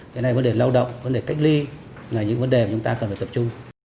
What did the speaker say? cái này vấn đề lao động vấn đề cách ly là những vấn đề mà chúng ta cần phải tập trung